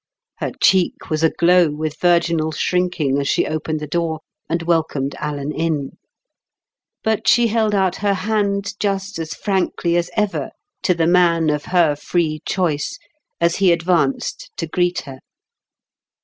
Her cheek was aglow with virginal shrinking as she opened the door, and welcomed Alan in. But she held out her hand just as frankly as ever to the man of her free choice as he advanced to greet her.